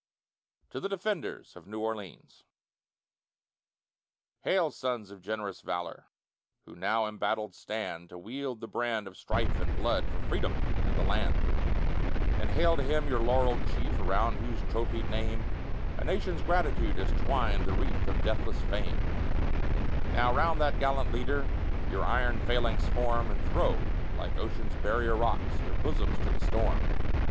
TO THE DEFENDERS OF NEW ORLEANS Hail sons of generous valor, Who now embattled stand, To wield the brand of strife and blood, For Freedom and the land. And hail to him your laurelled chief, Around whose trophied name A nation's gratitude has twined The wreath of deathless fame. Now round that gallant leader Your iron phalanx form, And throw, like Ocean's barrier rocks, Your bosoms to the storm.